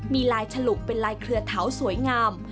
มีลายฉลุเป็นลายเครือเถาสวยงาม